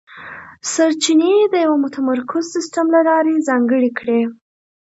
سرچینې یې د یوه متمرکز سیستم له لارې ځانګړې کړې.